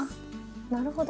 なるほど。